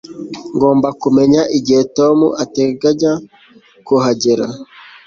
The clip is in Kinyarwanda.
ngomba kumenya igihe tom ateganya kuhagera